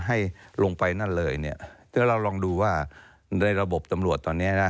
ให้ลงไปนั่นเลยเราลองดูว่าในระบบตำรวจตอนนี้